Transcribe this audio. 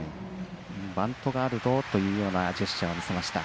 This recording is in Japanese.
バントがあるぞというようなジェスチャーを見せていました。